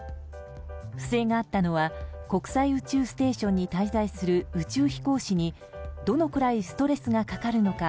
不正があったのは国際宇宙ステーションに滞在する宇宙飛行士にどのくらいストレスがかかるのか